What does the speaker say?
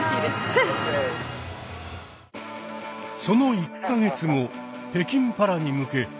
その１か月後北京パラに向け